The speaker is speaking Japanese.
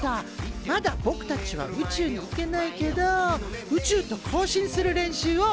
まだぼくたちは宇宙に行けないけど宇宙と交信する練習をしているんだ。